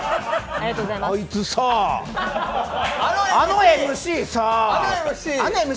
あいつさあのＭＣさあのＭＣ